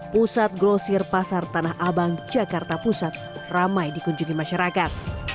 pusat grosir pasar tanah abang jakarta pusat ramai dikunjungi masyarakat